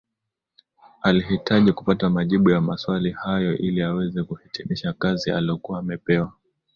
Alihitaji kupata majibu ya maswali hayo ili aweze kuhitimisha kazi alokuwa amepewa